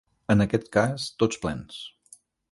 En aquest cas tots plens.